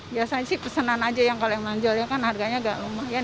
biasanya sih pesenan aja yang kalau yang manjol ya kan harganya agak lumayan